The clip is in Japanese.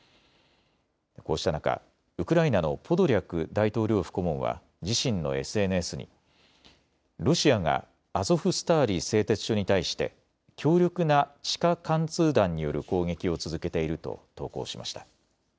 こうした中、ウクライナのポドリャク大統領府顧問は自身のＳＮＳにロシアがアゾフスターリ製鉄所に対して強力な地下貫通弾による攻撃を続けていると投稿しました。